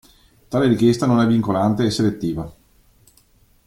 Tale richiesta non è vincolante e selettiva.